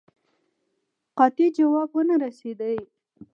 قاطع جواب ونه رسېدی.